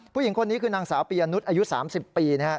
ผู้หญิงคนนี้คือนางสาวปียะนุษย์อายุ๓๐ปีนะครับ